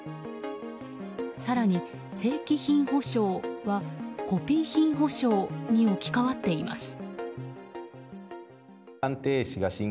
更に、正規品保証はコピー品保証に置き換わっています。